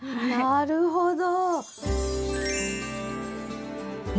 なるほど。